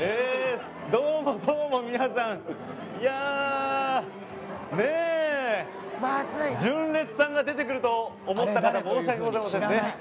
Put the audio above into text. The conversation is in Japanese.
どうもどうも皆さんいやねえ純烈さんが出てくると思った方申し訳ございませんね